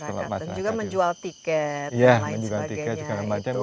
dan juga menjual tiket dan lain sebagainya